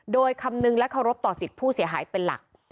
โดยคำนึงและเคารพต่อสิทธิ์ผู้เสียหายเป็นหลัก